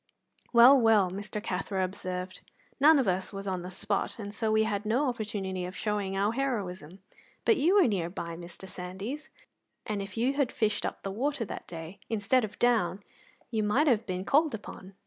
"Well, well," Mr. Cathro observed, "none of us was on the spot, and so we had no opportunity of showing our heroism. But you were near by, Mr. Sandys, and if you had fished up the water that day, instead of down, you might have been called upon.